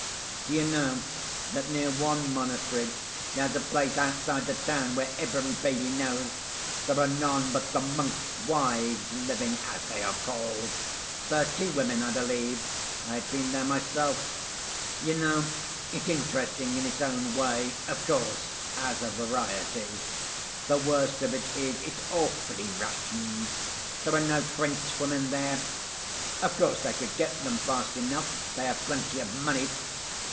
Do you know that near one monastery there's a place outside the town where every baby knows there are none but 'the monks' wives' living, as they are called. Thirty women, I believe. I have been there myself. You know, it's interesting in its own way, of course, as a variety. The worst of it is it's awfully Russian. There are no French women there. Of course they could get them fast enough, they have plenty of money.